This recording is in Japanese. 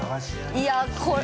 いやこれ。